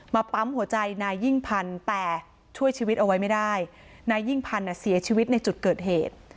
ปั๊มหัวใจนายยิ่งพันธุ์แต่ช่วยชีวิตเอาไว้ไม่ได้นายยิ่งพันธ์เสียชีวิตในจุดเกิดเหตุ